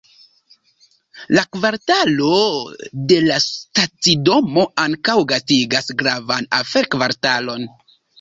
La kvartalo de la stacidomo ankaŭ gastigas gravan afer-kvartalon.